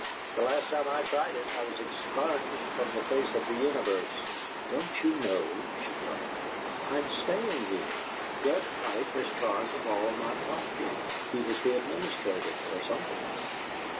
"The last time I tried it I was expunged from the face of the universe." "Don't you know?" she cried. "I'm staying here. Judge Pike has charge of all my property; he was the administrator, or something."